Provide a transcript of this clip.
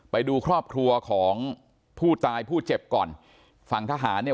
ไปดูครอบครัวของผู้ตายผู้เจ็บก่อนฝั่งทหารเนี่ย